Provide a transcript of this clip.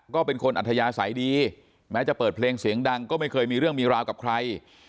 ก็เป็นคนอัธยาศัยดีแม้จะเปิดเพลงเสียงดังก็ไม่เคยมีเรื่องมีราวกับใคร